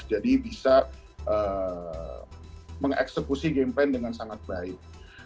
jadi bisa mengeksekusi game plan dengan sangat baik